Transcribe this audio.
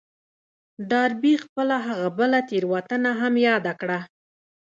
ډاربي خپله هغه بله تېروتنه هم ياده کړه.